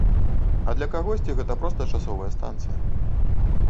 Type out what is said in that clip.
А для кагосьці гэта проста часовая станцыя.